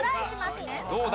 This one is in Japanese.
どうだ？